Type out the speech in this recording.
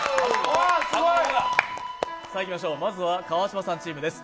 まずは川島さんチームです。